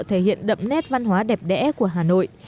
thể hiện đậm nét văn hóa đẹp đẽ của hà nội